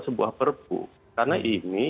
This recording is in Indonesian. sebuah perbu karena ini